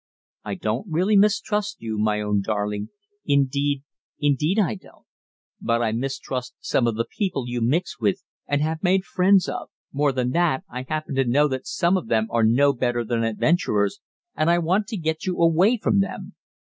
I don't really mistrust you, my own darling; indeed, indeed I don't; but I mistrust some of the people you mix with and have made friends of, more than that, I happen to know that some of them are no better than adventurers, and I want to get you away from them.